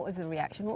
tapi apa reaksi anda